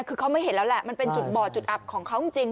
คือเขาไม่เห็นแล้วแหละมันเป็นจุดบ่อจุดอับของเขาจริง